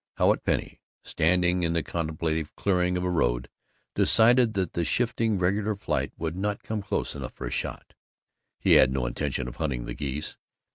Howat Penny, standing in the comparative clearing of a road, decided that the shifting regular flight would not come close enough for a shot.... He had no intention of hunting the geese.